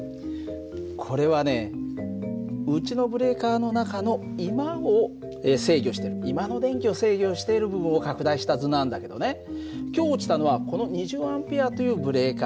これはねうちのブレーカーの中の居間を制御してる居間の電気を制御している部分を拡大した図なんだけどね今日落ちたのはこの２０Ａというブレーカーなんだよ。